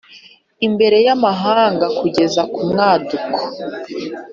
Imbere Y Amahanga Kugeza Ku Mwaduko